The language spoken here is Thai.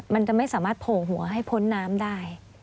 มันจะไม่สามารถโผล่หัวให้พ้นน้ำได้